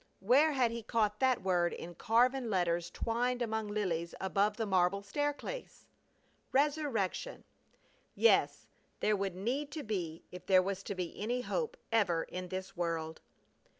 Where had he caught that word in carven letters twined among lilies above the marble staircase? Resurrection! Yes, there would need to be if there was to be any hope ever in this world!